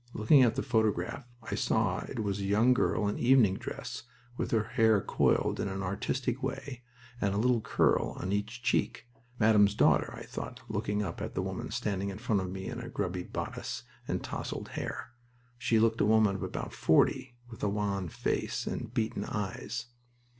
Looking at the photograph, I saw it was of a young girl in evening dress with her hair coiled in an artistic way and a little curl on each cheek. Madame's daughter, I thought, looking up at the woman standing in front of me in a grubby bodice and tousled hair. She looked a woman of about forty, with a wan face and beaten eyes.